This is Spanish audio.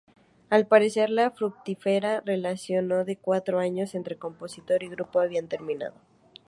Al parecer, la fructífera relación de cuatro años entre compositor y grupo había terminado.